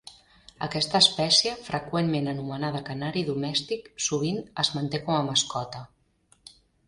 Aquesta espècie, freqüentment anomenada canari domèstic, sovint es manté com a mascota.